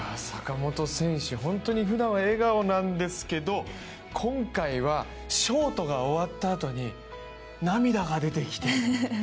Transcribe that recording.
坂本選手、本当にふだんは笑顔なんですけど今回はショートが終わったあとに涙が出てきて。